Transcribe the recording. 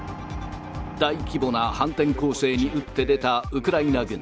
大規模な反転攻勢に打って出たウクライナ軍。